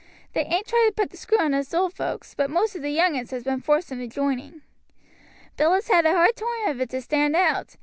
They ain't tried to put the screw on us old hands, but most of the young uns has been forced into joining. "Bill has had a hard toime of it to stand out.